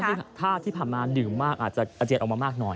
ซึ่งถ้าที่ผ่านมาดื่มมากอาจจะอาเจียนออกมามากหน่อย